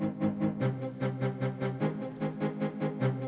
adik kita sudah sobre air dengan sate ini